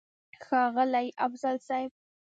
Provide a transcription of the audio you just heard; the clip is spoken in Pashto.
ښاغلی افضل صيب!!